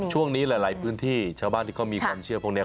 ช่วงนี้หลายพื้นที่ชาวบ้านที่เขามีความเชื่อพวกนี้